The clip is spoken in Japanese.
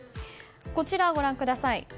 こちらご覧ください。